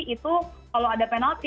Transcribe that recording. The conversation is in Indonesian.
itu kalau ada penalti